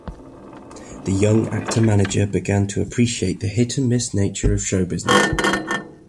The young actor-manager began to appreciate the hit and miss nature of show business.